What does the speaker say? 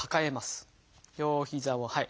両膝をはい。